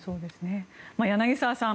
柳澤さん